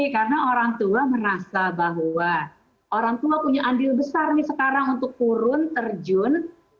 karena orang tua merasa bahwa orang tua punya andil besar nih sekarang untuk turun terjun